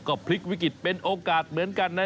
ก็พลิกวิกฤตเป็นโอกาสเหมือนกันนะ